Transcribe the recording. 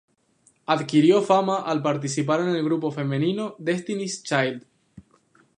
Adquirió fama al participar en el grupo femenino Destiny's Child.